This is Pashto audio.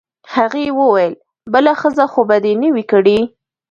هغې وویل: بله ښځه خو به دي نه وي کړې؟